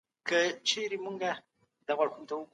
مرګ یوه خوږه پېښه ده.